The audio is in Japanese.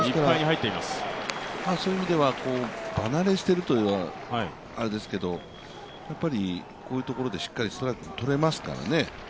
そういう意味では、場慣れしていると言うとあれですけど、こういうところでしっかりストレートとれますからね。